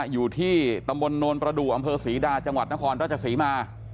อยู่ที่ตำบลโนนประดูกอำเภอศรีดาจังหวัดนครราชศรีมา